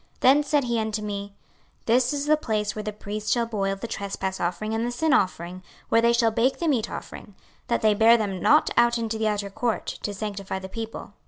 26:046:020 Then said he unto me, This is the place where the priests shall boil the trespass offering and the sin offering, where they shall bake the meat offering; that they bear them not out into the utter court, to sanctify the people.